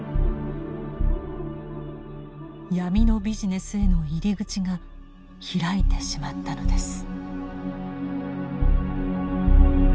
闇のビジネスへの入り口が開いてしまったのです。